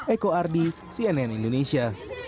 eko ardi cnn indonesia